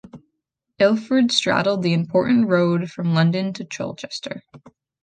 Ilford straddled the important road from London to Colchester.